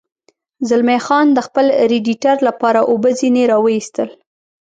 زلمی خان د خپل رېډیټر لپاره اوبه ځنې را ویستل.